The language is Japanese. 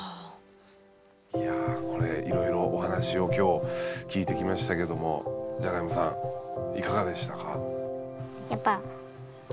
いやこれいろいろお話を今日聞いてきましたけどもじゃがいもさんいかがでしたか？